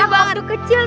nama aku siapa